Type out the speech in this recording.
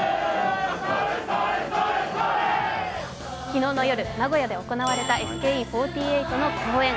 昨日の夜、名古屋で行われたＳＫＥ４８の公演。